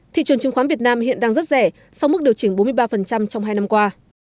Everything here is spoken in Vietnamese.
thị trường chứng khoán việt nam hiện đang rất rẻ sau mức điều chỉnh bốn mươi ba trong hai năm qua